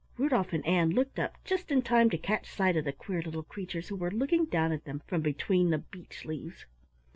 Rudolf and Ann looked up just in time to catch sight of the queer little creatures who were looking down at them from between the beech leaves.